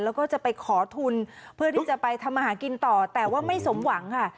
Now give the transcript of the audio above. แล้วก็จะไปขอทุนเพื่อที่จะไปทำมาหากินต่อแต่ว่าไม่สมหวังค่ะ